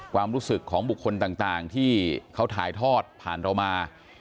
ความรู้สึกของบุคคลต่างที่เขาถ่ายทอดผ่านเรามา